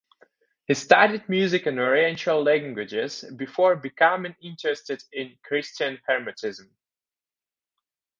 He studied music and oriental languages before becoming interested in Christian hermeticism.